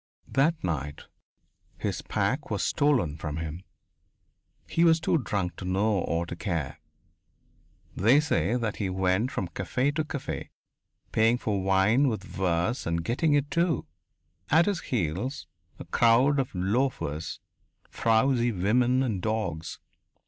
That night his pack was stolen from him. He was too drunk to know or to care. They say that he went from café to café, paying for wine with verse, and getting it, too! At his heels a crowd of loafers, frowsy women and dogs.